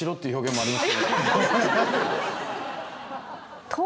あります。